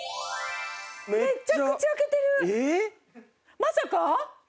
まさか。